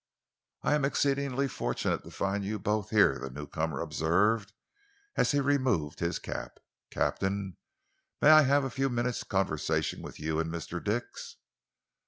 "I am exceedingly fortunate to find you both here," the newcomer observed, as he removed his cap. "Captain, may I have a few minutes' conversation with you and Mr. Dix?"